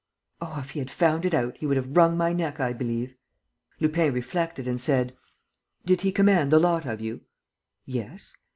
... Oh, if he had found it out, he would have wrung my neck, I believe!" Lupin reflected and said: "Did he command the lot of you?" "Yes."